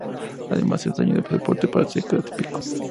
Además se añadió soporte para el Sega Pico.